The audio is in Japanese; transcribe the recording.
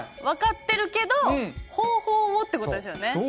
分かってるけど方法をってことですよね。